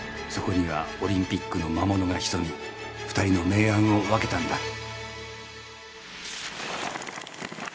そこにはオリンピックの魔物が潜み２人の明暗を分けたんだ。